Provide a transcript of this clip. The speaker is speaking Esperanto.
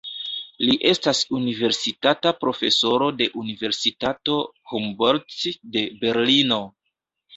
Li estas universitata profesoro de Universitato Humboldt de Berlino.